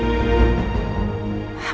aku akan mencintaimu